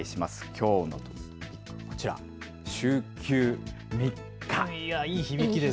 きょうはこちら、週休３日。